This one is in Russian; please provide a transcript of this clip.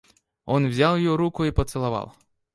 Он взял ее руку и поцеловал.